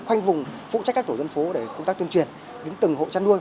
khoanh vùng phụ trách các tổ dân phố để công tác tuyên truyền đến từng hộ chăn nuôi